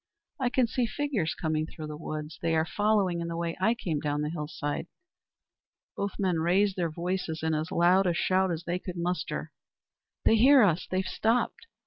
"I can see figures coming through the wood. They are following in the way I came down the hillside." Both men raised their voices in as loud a shout as they could muster. "They hear us! They've stopped.